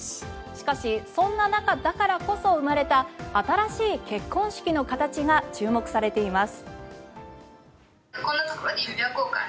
しかしそんな中だからこそ生まれた新しい結婚式の形が注目されています。